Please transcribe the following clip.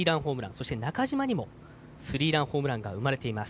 そして中島にもスリーランホームランが生まれています。